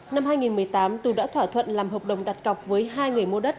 năm hai nghìn một mươi tám tú đã thỏa thuận làm hợp đồng đặt cọc với hai người mua đất